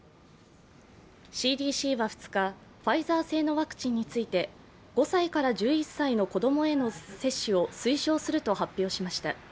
ＣＤＣは２日ファイザー製のワクチンについて５歳から１１歳の子供への接種を推奨すると発表しました。